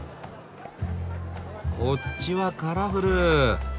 こっちはカラフル！